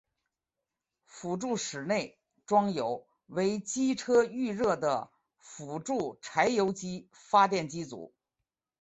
辅助室内装有为机车预热的辅助柴油机发电机组。